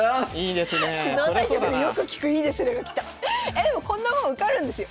えでもこんなもん受かるんですよ。